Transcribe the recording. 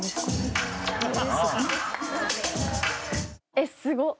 えっすごっ！